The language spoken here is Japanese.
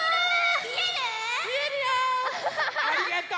ありがとう！